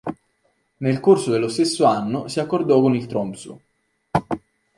Nel corso dello stesso anno, si accordò con il Tromsø.